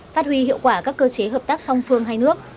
phát huy hiệu quả các cơ chế hợp tác song phương hai nước